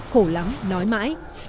khổ lắm nói mãi